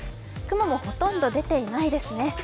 雲もほとんど出ていないですね。